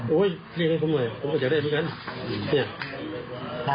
โอ้ยทีมกฎหลายผมก็จะได้เหมือนกัน